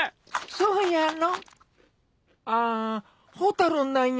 そうやろ。